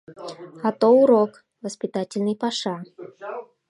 А то урок, воспитательный паша.